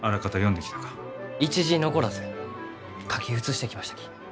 一字残らず書き写してきましたき。